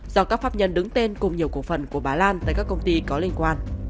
do các pháp nhân đứng tên cùng nhiều cổ phần của bà lan tại các công ty có liên quan